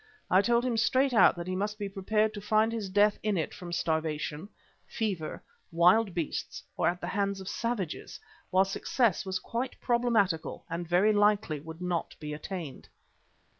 I told him straight out that he must be prepared to find his death in it from starvation, fever, wild beasts or at the hands of savages, while success was quite problematical and very likely would not be attained.